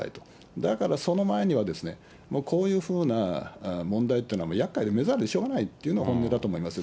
だからその前には、こういうふうな問題というのはやっかいで目障りでしょうがないというのが本音だと思いますよ。